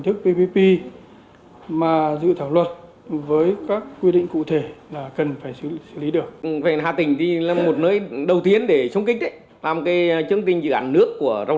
thì dự thảo luật cần đáp ứng các nội dung như sau